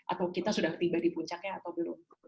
atau kita sudah tiba di puncaknya atau belum